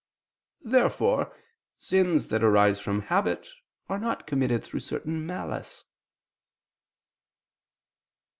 Therefore sins that arise from habit are not committed through certain malice.